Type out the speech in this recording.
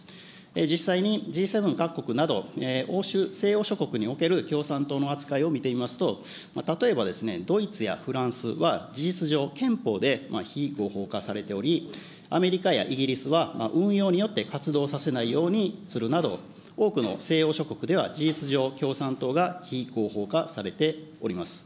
実際にＧ７各国など、欧州、西欧諸国における共産党の扱いを見てみますと、例えばドイツやフランスは、事実上憲法で非合法化されており、アメリカやイギリスは、運用によって活動させないようにするなど、多くの西欧諸国では事実上、共産党が非合法化されております。